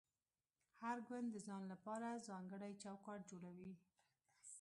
هر ګوند د ځان لپاره ځانګړی چوکاټ جوړوي